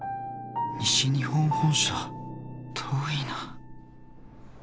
西日本本社遠いナ。